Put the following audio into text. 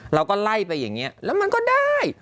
เราก็ไล่ไปอย่างนี้แล้วมันก็ได้